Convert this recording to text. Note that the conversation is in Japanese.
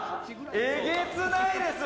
えげつないですわ！